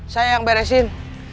saya yang beresin